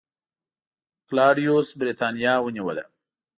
کلاډیوس برېټانیا ونیوله